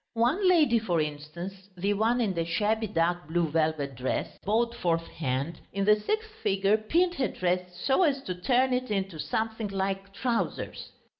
One lady, for instance, the one in the shabby dark blue velvet dress, bought fourth hand, in the sixth figure pinned her dress so as to turn it into something like trousers.